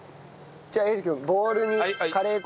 じゃあ英二君ボウルにカレー粉マヨネーズ。